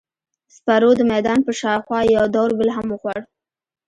سپرو د میدان پر شاوخوا یو دور بل هم وخوړ.